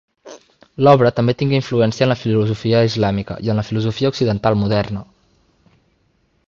L'obra també tingué influència en la filosofia islàmica i en la filosofia occidental moderna.